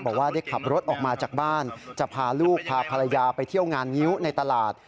บอกว่าได้ขับรถออกมาจากบ้านจะพาลูกพาภรรยาไปเที่ยวงานงิ้วในตลาด